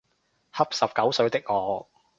恰十九歲的我